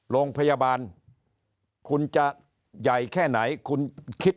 โรงพยาบาลคุณจะใหญ่แค่ไหนคุณคิด